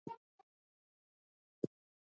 کوښښ وکړئ چې مخ تور نه اوسئ.